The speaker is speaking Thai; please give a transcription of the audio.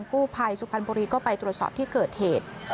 กู้ภัยสุพรรณบุรีก็ไปตรวจสอบที่เกิดเหตุ